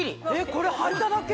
これはいただけ？